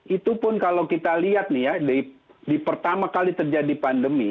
itu pun kalau kita lihat nih ya di pertama kali terjadi pandemi